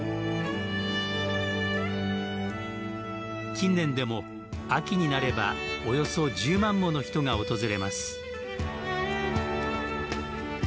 近年でも、秋になればおよそ１０万もの人が訪れます。